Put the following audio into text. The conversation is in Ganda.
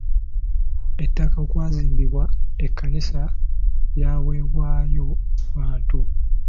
Ettaka okwazimbibwa ekkanisa lyaweebwayo bantu.